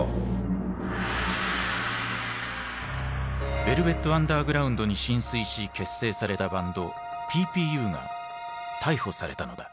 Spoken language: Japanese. ヴェルヴェット・アンダーグラウンドに心酔し結成されたバンドＰＰＵが逮捕されたのだ。